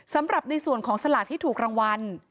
สำหรับในส่วนของสลากที่ถูกรางวัล